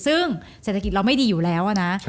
ซึ่งเศรษฐกิจเราไม่ดีอยู่แล้วนะ